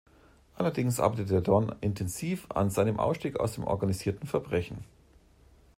Allerdings arbeitet der Don intensiv an seinem Ausstieg aus dem organisierten Verbrechen.